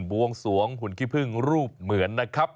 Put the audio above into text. วงสวงหุ่นขี้พึ่งรูปเหมือนนะครับ